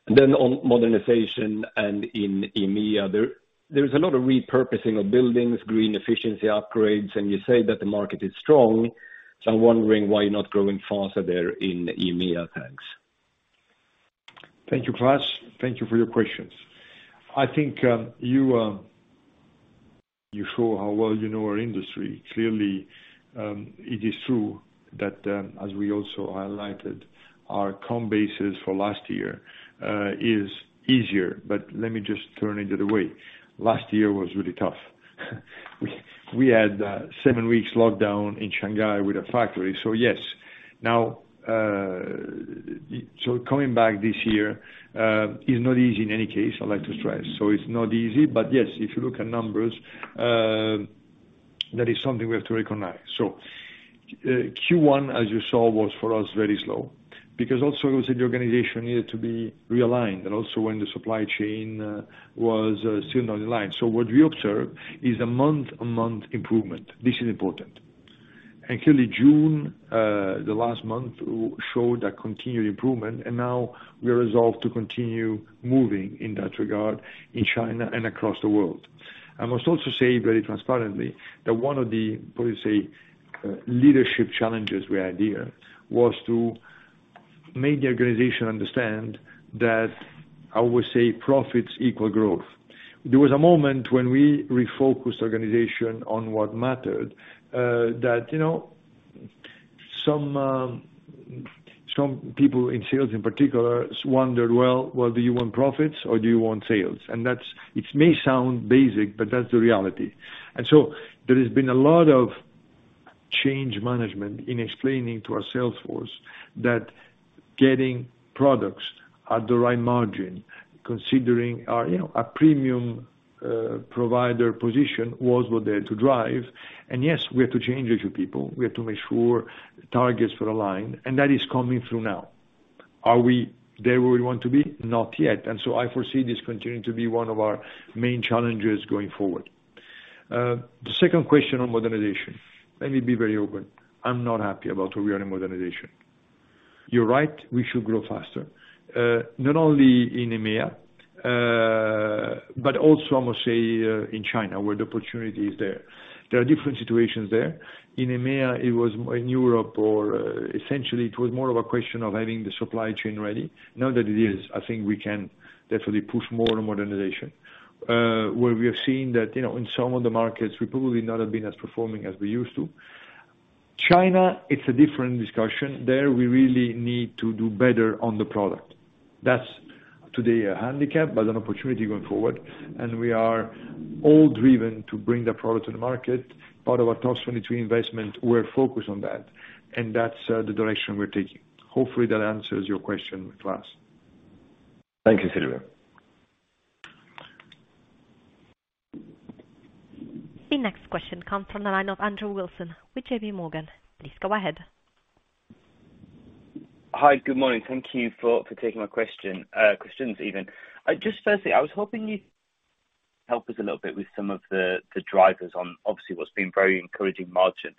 On modernization and in EMEA, there's a lot of repurposing of buildings, green efficiency upgrades, and you say that the market is strong, so I'm wondering why you're not growing faster there in EMEA. Thanks. Thank you, Claes. Thank you for your questions. I think you show how well you know our industry. Clearly, it is true that, as we also highlighted, our comp basis for last year is easier, but let me just turn it the other way. Last year was really tough. We had 7 weeks lockdown in Shanghai with a factory. Yes, now, coming back this year is not easy in any case, I'd like to stress. It's not easy, but yes, if you look at numbers, that is something we have to recognize. Q1, as you saw, was for us very slow because also it was the organization needed to be realigned and also when the supply chain was still not aligned. What we observe is a month-on-month improvement. This is important. Clearly June, the last month, showed a continued improvement, and now we are resolved to continue moving in that regard in China and across the world. I must also say very transparently, that one of the, what do you say, leadership challenges we had here, was to make the organization understand that I always say profits equal growth. There was a moment when we refocused organization on what mattered, that, you know, some people in sales in particular, wondered, "Well, do you want profits or do you want sales?" That's. It may sound basic, but that's the reality. There has been a lot of change management in explaining to our sales force that getting products at the right margin, considering our, you know, our premium provider position, was what they had to drive. Yes, we have to change a few people. We have to make sure targets were aligned, and that is coming through now. Are we there where we want to be? Not yet. I foresee this continuing to be one of our main challenges going forward. The second question on modernization, let me be very open. I'm not happy about where we are in modernization. You're right, we should grow faster, not only in EMEA, but also I must say, in China, where the opportunity is there. There are different situations there. In EMEA, it was in Europe or, essentially, it was more of a question of having the supply chain ready. Now that it is, I think we can definitely push more on modernization. Where we have seen that, you know, in some of the markets, we probably not have been as performing as we used to. China, it's a different discussion. There, we really need to do better on the product. That's today a handicap, but an opportunity going forward. We are all driven to bring the product to the market. Part of our Top Speed 23 investment, we're focused on that, and that's the direction we're taking. Hopefully, that answers your question, Klas. Thank you, Silvio. The next question comes from the line of Andrew Wilson with J.P. Morgan. Please go ahead. Hi, good morning. Thank you for taking my question, questions even. Just firstly, I was hoping you'd help us a little bit with some of the drivers on obviously what's been very encouraging margin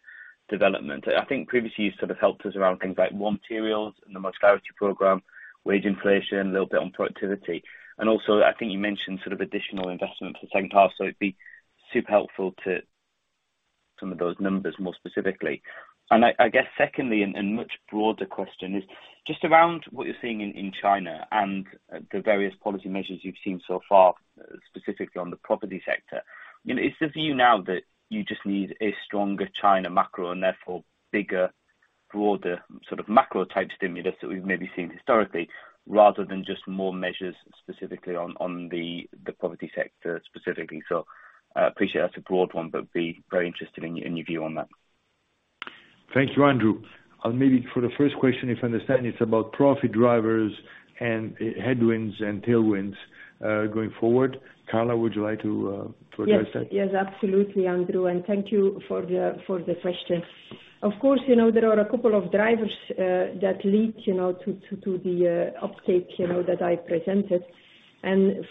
development. I think previously you sort of helped us around things like raw materials and the Top Speed 23 program, wage inflation, a little bit on productivity, and also I think you mentioned sort of additional investment for the second half, so it'd be super helpful to some of those numbers more specifically. I guess secondly, much broader question is just around what you're seeing in China and the various policy measures you've seen so far, specifically on the property sector. You know, is the view now that you just need a stronger China macro and therefore bigger, broader, sort of macro type stimulus that we've maybe seen historically, rather than just more measures specifically on the property sector specifically? I appreciate that's a broad one, but be very interested in your, in your view on that. Thank you, Andrew. Maybe for the first question, if I understand, it's about profit drivers and headwinds and tailwinds going forward. Carla, would you like to address that? Yes, absolutely, Andrew, and thank you for the question. Of course, you know, there are a couple of drivers that lead, you know, to the uptake, you know, that I presented.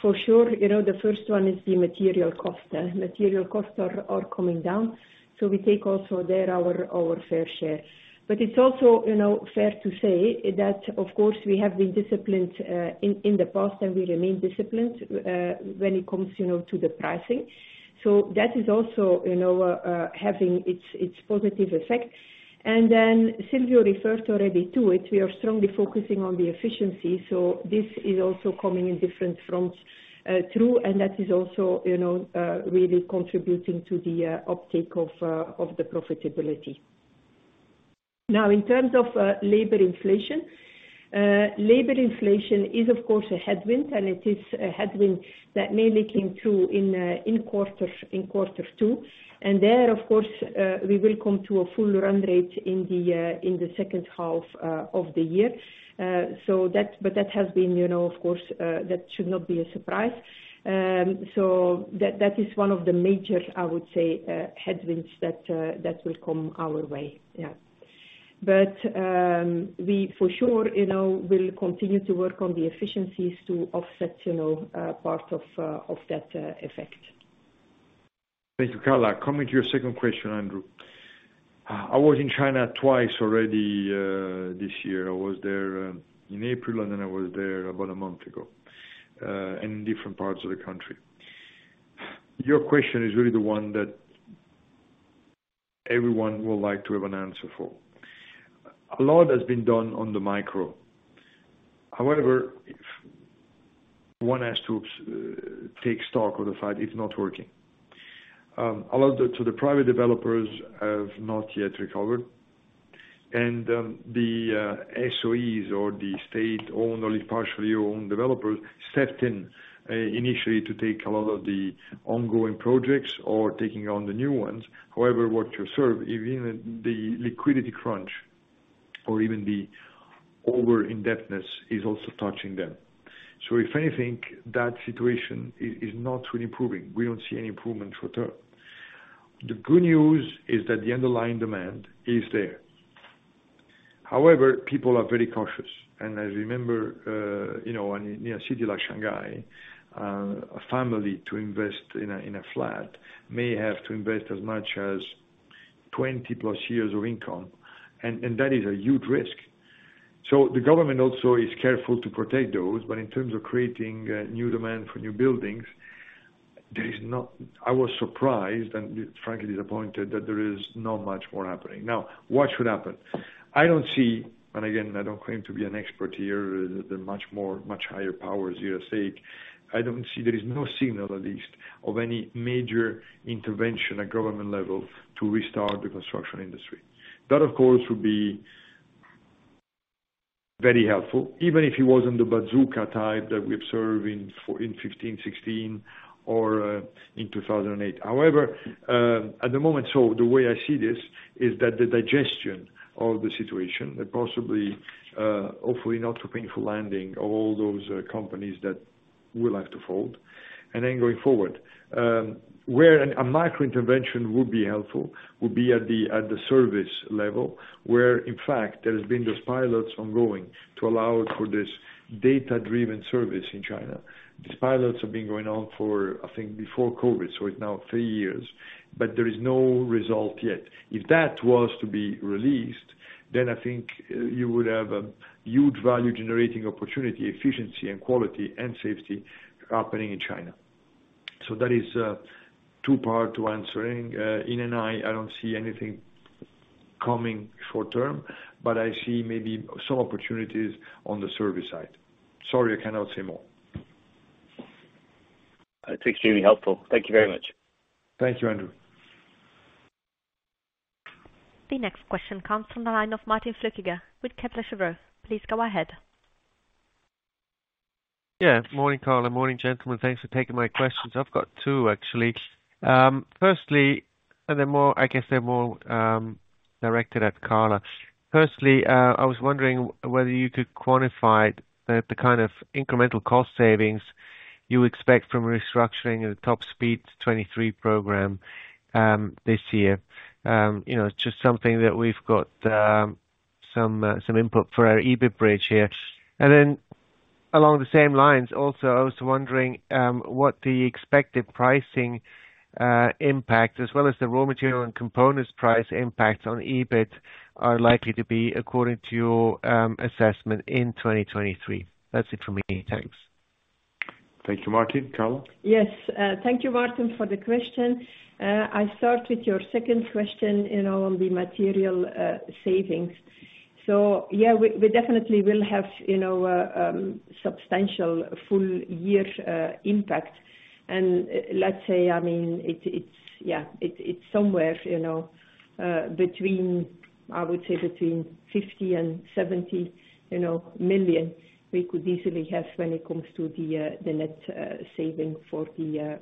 For sure, you know, the first one is the material cost. Material costs are coming down, we take also there our fair share. It's also, you know, fair to say that, of course, we have been disciplined in the past, and we remain disciplined when it comes, you know, to the pricing. That is also, you know, having its positive effect. Then Silvio referred already to it, we are strongly focusing on the efficiency, this is also coming in different fronts, through, and that is also, you know, really contributing to the uptake of the profitability. Now, in terms of, labor inflation, labor inflation is, of course, a headwind, and it is a headwind that mainly came through in quarter 2. There, of course, we will come to a full run rate in the second half of the year. That, but that has been, you know, of course, that should not be a surprise. That, that is one of the major, I would say, headwinds that will come our way. Yeah. We for sure, you know, will continue to work on the efficiencies to offset, you know, part of that effect. Thank you, Carla. Coming to your second question, Andrew. I was in China twice already this year. I was there in April. I was there about a month ago in different parts of the country. Your question is really the one that everyone would like to have an answer for. A lot has been done on the micro. If one has to take stock of the fact, it's not working. A lot of the private developers have not yet recovered. The SOEs or the state-owned, only partially owned developers, stepped in initially to take a lot of the ongoing projects or taking on the new ones. What you serve, even the liquidity crunch or even the overindebtedness is also touching them. If anything, that situation is not really improving. We don't see any improvement for term. The good news is that the underlying demand is there. However, people are very cautious, and as you remember, you know, in a city like Shanghai, a family to invest in a, in a flat, may have to invest as much as 20 plus years of income, and that is a huge risk. The government also is careful to protect those, but in terms of creating new demand for new buildings, I was surprised, and frankly disappointed, that there is not much more happening. What should happen? I don't see, and again, I don't claim to be an expert here, the much more, much higher powers USA. I don't see, there is no signal at least, of any major intervention at government level to restart the construction industry. That, of course, would be very helpful, even if it wasn't the bazooka type that we observed in 2015, 2016 or in 2008. At the moment, the way I see this, is that the digestion of the situation and possibly, hopefully not so painful landing all those companies that will have to fold. Going forward, where a micro intervention would be helpful, would be at the service level, where in fact there has been those pilots ongoing to allow for this data-driven service in China. These pilots have been going on for, I think, before COVID, so it's now 3 years, but there is no result yet. If that was to be released, then I think, you would have a huge value-generating opportunity, efficiency and quality and safety happening in China. That is, two part to answering. In an eye, I don't see anything coming short term. I see maybe some opportunities on the service side. Sorry, I cannot say more. It's extremely helpful. Thank you very much. Thank you, Andrew. The next question comes from the line of Martin Flückiger with Kepler Cheuvreux. Please go ahead. Yeah. Morning, Carla. Morning, gentlemen. Thanks for taking my questions. I've got two, actually, firstly, and they're more, I guess they're more, directed at Carla. Firstly, I was wondering whether you could quantify the kind of incremental cost savings you expect from restructuring the Top Speed 23 program this year. You know, just something that we've got some input for our EBIT bridge here. Then along the same lines also, I was wondering what the expected pricing impact, as well as the raw material and components price impact on EBIT are likely to be according to your assessment in 2023. That's it for me. Thanks. Thank you, Martin. Carla? Thank you, Martin, for the question. I start with your second question, you know, on the material savings. We definitely will have, you know, substantial full year impact. Let's say, I mean, it's somewhere, you know, between, I would say between 50 million-70 million we could easily have when it comes to the net saving for the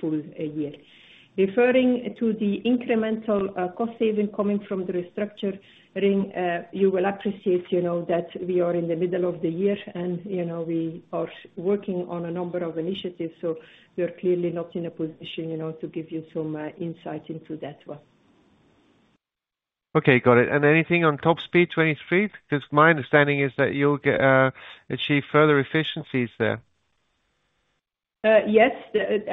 full year. Referring to the incremental cost saving coming from the restructuring, you will appreciate, you know, that we are in the middle of the year and, you know, we are working on a number of initiatives, so we are clearly not in a position, you know, to give you some insight into that one. Okay, got it. Anything on Top Speed 23? Because my understanding is that you'll achieve further efficiencies there. Yes.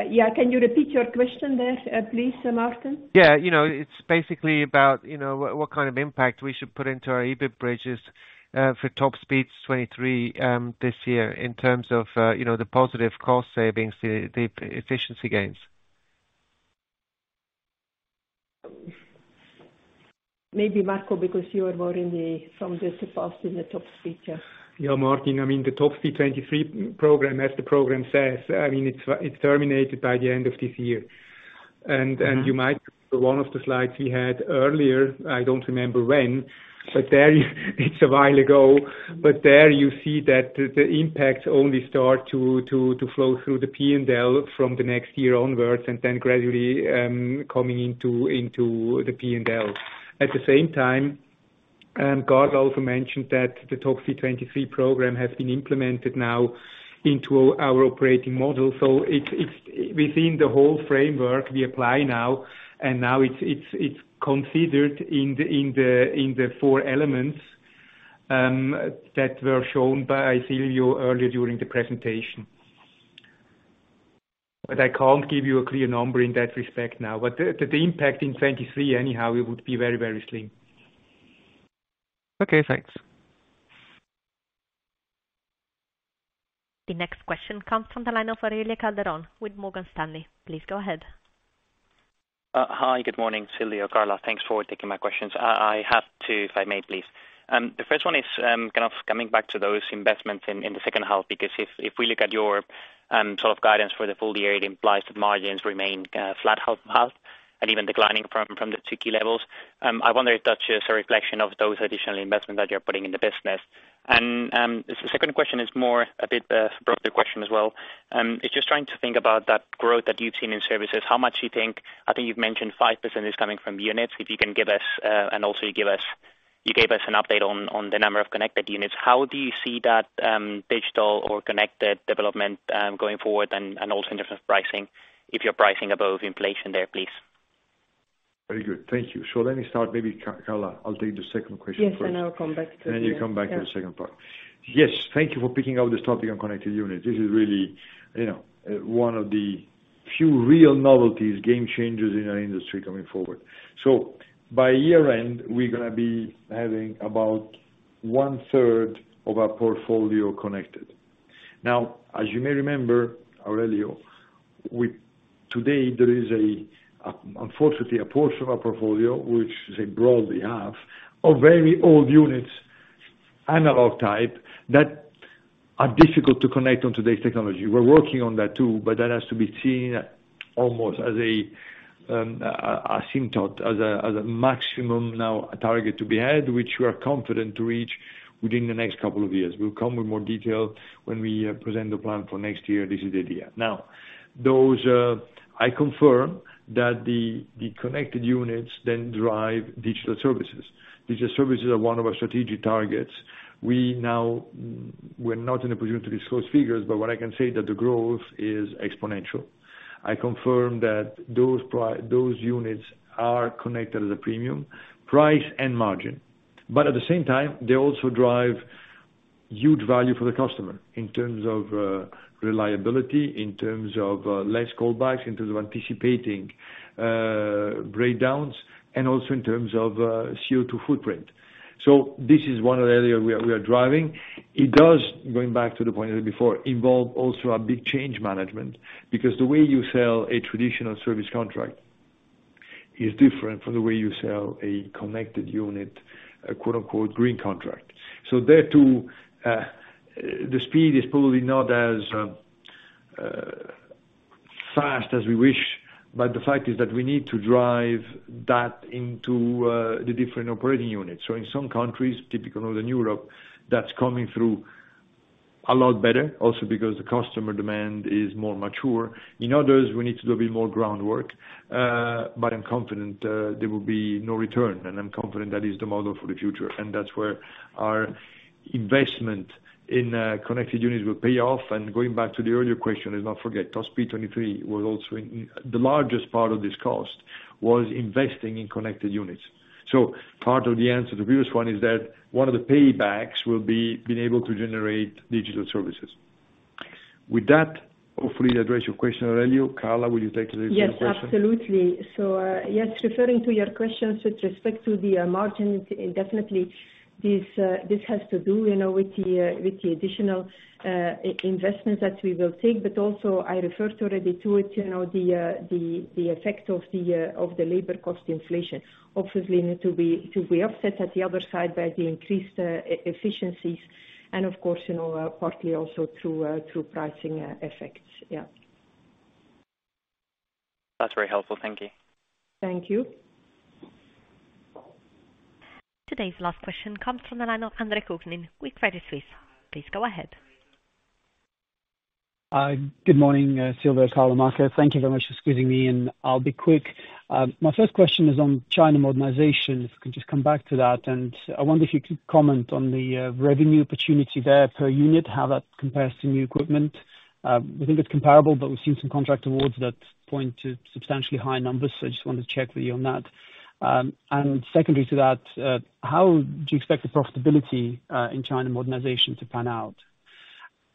Yeah, can you repeat your question there, please, Martin? you know, it's basically about, you know, what kind of impact we should put into our EBIT bridges for Top Speed 23 this year in terms of, you know, the positive cost savings, the efficiency gains. Maybe Marco, because you are more in the, from the past in the Top Speed. Martin, I mean, the Top Speed 23 program, as the program says, I mean, it's terminated by the end of this year. You might, one of the slides we had earlier, I don't remember when, but there it's a while ago, but there you see that the impacts only start to flow through the P&L from the next year onwards and then gradually coming into the P&L. At the same time, Carla also mentioned that the Top Speed 23 program has been implemented now into our operating model, so it's within the whole framework we apply now it's considered in the four elements that were shown by Silvio earlier during the presentation. I can't give you a clear number in that respect now, but the impact in 2023 anyhow, it would be very slim. Okay, thanks. The next question comes from the line of Aurelio Calderon with Morgan Stanley. Please go ahead. Hi, good morning, Silvio, Carla, thanks for taking my questions. I have 2, if I may, please. The first one is kind of coming back to those investments in the second half, because if we look at your sort of guidance for the full year, it implies that margins remain flat, half, and even declining from the levels. I wonder if that's just a reflection of those additional investments that you're putting in the business. The second question is more a bit broader question as well. It's just trying to think about that growth that you've seen in services, how much do you think I think you've mentioned 5% is coming from units. If you can give us, and also you gave us an update on the number of connected units. How do you see that, digital or connected development, going forward, and also in different pricing, if you're pricing above inflation there, please? Very good. Thank you. Let me start maybe, Carla, I'll take the second question first. Yes, and I'll come back to it. You come back to the second part. Yeah. Yes, thank you for picking out this topic on connected units. This is really, you know, one of the few real novelties, game changers in our industry coming forward. By year end, we're gonna be having about one third of our portfolio connected. Now, as you may remember, Aurelio, today, there is, unfortunately, a portion of our portfolio, which is broadly half, of very old units, analog type, that are difficult to connect on today's technology. We're working on that too, but that has to be seen almost as a symptom, as a maximum now target to be had, which we are confident to reach within the next couple of years. We'll come with more detail when we present the plan for next year. This is the idea. Those, I confirm that the connected units then drive digital services. Digital services are one of our strategic targets. We're not in a position to disclose figures, but what I can say that the growth is exponential. I confirm that those units are connected as a premium, price and margin, but at the same time, they also drive huge value for the customer in terms of reliability, in terms of less callbacks, in terms of anticipating breakdowns, and also in terms of CO2 footprint. This is one area we are driving. It does, going back to the point before, involve also a big change management, because the way you sell a traditional service contract is different from the way you sell a connected unit, a quote, unquote, "green contract." There, too, the speed is probably not as fast as we wish, but the fact is that we need to drive that into the different operating units. In some countries, typically Northern Europe, that's coming through a lot better, also because the customer demand is more mature. In others, we need to do a bit more groundwork, but I'm confident there will be no return, and I'm confident that is the model for the future, and that's where our investment in connected units will pay off. Going back to the earlier question, let's not forget, cost Top Speed 23 was also in... The largest part of this cost was investing in connected units. Part of the answer to the previous one, is that one of the paybacks will be being able to generate digital services. With that, hopefully I addressed your question, Aurelio. Carla, will you take the second question? Yes, absolutely. Yes, referring to your question with respect to the margin, definitely this has to do, you know, with the additional investment that we will take, but also I referred already to it, you know, the effect of the labor cost inflation. Obviously, need to be offset at the other side by the increased efficiencies, and of course, you know, partly also through pricing effects. That's very helpful. Thank you. Thank you. Today's last question comes from the line of Andre Kukhnin with Credit Suisse. Please go ahead. Good morning, Silvio, Carla, Marco. Thank you very much for squeezing me in. I'll be quick. My first question is on China modernization, if you could just come back to that, and I wonder if you could comment on the revenue opportunity there per unit, how that compares to new equipment? We think it's comparable, but we've seen some contract awards that point to substantially higher numbers, so I just wanted to check with you on that. Secondly to that, how do you expect the profitability in China modernization to pan out?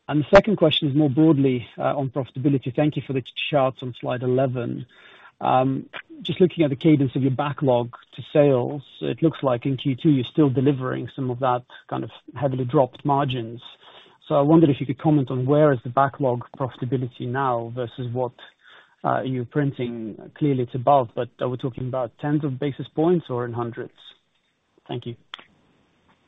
The second question is more broadly on profitability. Thank you for the charts on slide 11. Just looking at the cadence of your backlog to sales, it looks like in Q2, you're still delivering some of that kind of heavily dropped margins. I wondered if you could comment on where is the backlog profitability now, versus what you're printing? Clearly, it's above, but are we talking about tens of basis points or in hundreds? Thank you.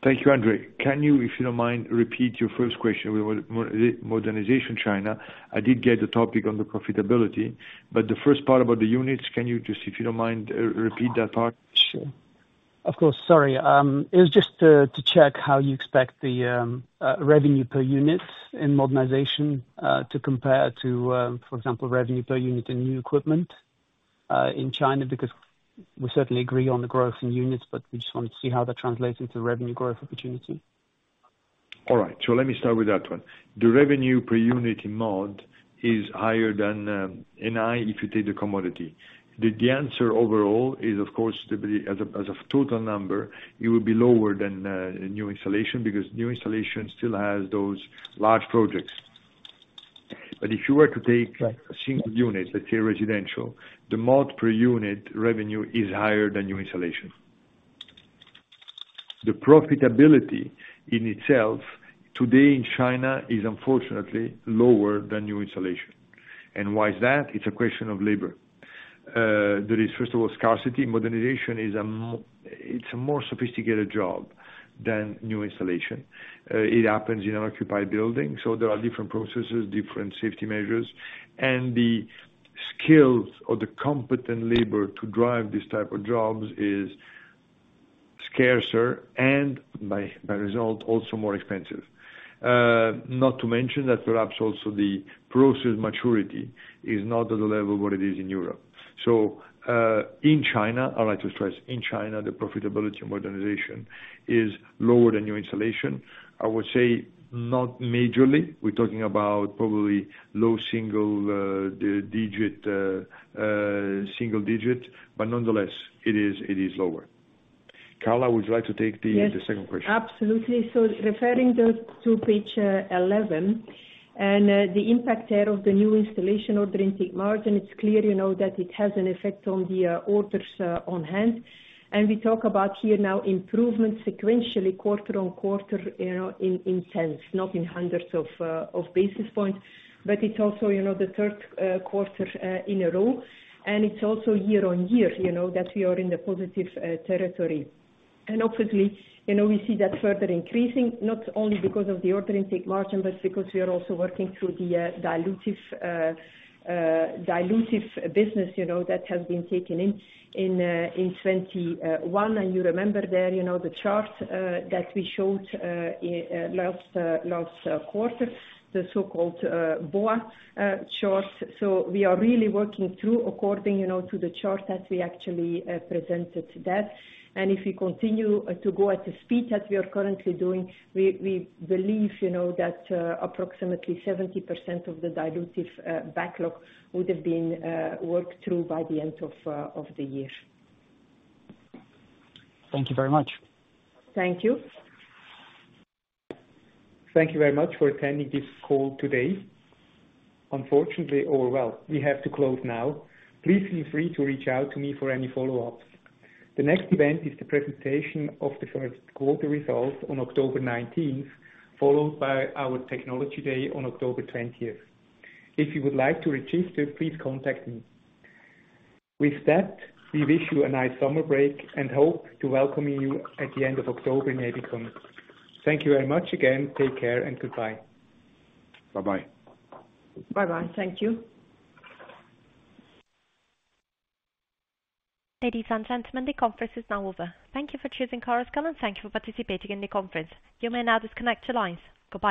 Thank you, Andre. Can you, if you don't mind, repeat your first question about modernization China? I did get the topic on the profitability, but the first part about the units, can you just, if you don't mind, repeat that part? Sure. Of course, sorry. It was just to check how you expect the revenue per unit in modernization to compare to, for example, revenue per unit in new equipment in China. We certainly agree on the growth in units, but we just wanted to see how that translates into revenue growth opportunity. Let me start with that one. The revenue per unit in mod is higher than NI if you take the commodity. The answer overall is of course, as a total number, it will be lower than new installation, because new installation still has those large projects. But if you were to take a single unit, let's say residential, the mod per unit revenue is higher than new installation. The profitability in itself today in China is unfortunately lower than new installation. Why is that? It's a question of labor. There is, first of all, scarcity. Modernization is a more sophisticated job than new installation. It happens in an occupied building, so there are different processes, different safety measures, and the skills or the competent labor to drive these type of jobs is scarcer and by result, also more expensive. Not to mention that perhaps also the process maturity is not at the level what it is in Europe. In China, I'd like to stress, in China, the profitability of modernization is lower than new installation. I would say not majorly. We're talking about probably low single digit, single digit, but nonetheless, it is lower. Carla, would you like to take the second question? Yes, absolutely. Referring to page 11 and the impact there of the new installation order intake margin, it's clear, you know, that it has an effect on the orders on hand. We talk about here now improvements sequentially, quarter-on-quarter, you know, in 10s, not in 100s of basis points, but it's also, you know, the third quarter in a row, and it's also year-on-year, you know, that we are in a positive territory. Obviously, you know, we see that further increasing, not only because of the order intake margin, but because we are also working through the dilutive business, you know, that has been taken in 2021. You remember there, you know, the chart that we showed last quarter, the so-called BOA chart. We are really working through, according, you know, to the chart, as we actually presented there. If we continue to go at the speed that we are currently doing, we believe, you know, that approximately 70% of the dilutive backlog would have been worked through by the end of the year. Thank you very much. Thank you. Thank you very much for attending this call today. Unfortunately, well, we have to close now. Please feel free to reach out to me for any follow-ups. The next event is the presentation of the first quarter results on October 19th, followed by our Technology Day on October 20th. If you would like to register, please contact me. With that, we wish you a nice summer break and hope to welcome you at the end of October in Ebikon. Thank you very much again. Take care and goodbye. Bye-bye. Bye-bye. Thank you. Ladies and gentlemen, the conference is now over. Thank you for choosing Chorus Call, and thank you for participating in the conference. You may now disconnect your lines. Goodbye.